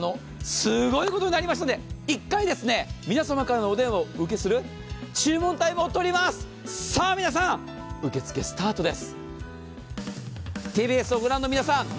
すごいことになりましたので、一回皆様からのお電話をお取りする注文タイムをとります、皆さん、受付スタートです。